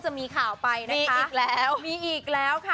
จะมีข่าวไปนะคะมีอีกแล้ว